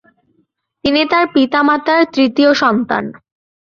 তিনি তার পিতামাতার তৃতীয় সন্তান।